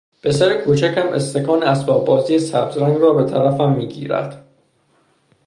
پسر کوچکم استکان اسباببازی سبز رنگ را به طرفم میگیرد